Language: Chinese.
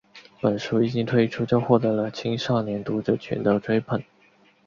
本书一经推出就获得了青少年读者群的追捧。